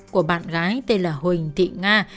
của bạn gái tên là huỳnh thị nga